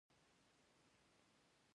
په افغانستان کې دریابونه شتون لري.